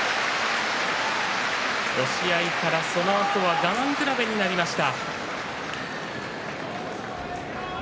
押し合いから、そのあとは我慢比べになりました。